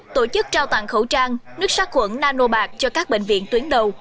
tổ chức trao tặng khẩu trang nước sát khuẩn nano bạc cho các bệnh viện tuyến đầu